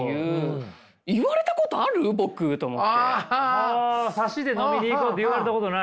あサシで飲みに行こうって言われたことない？